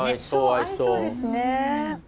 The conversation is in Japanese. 合いそうですね！